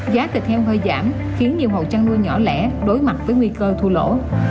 giá thịt heo hơi giảm khiến nhiều hậu trang nuôi nhỏ lẻ đối mặt với nguy cơ thua lỗ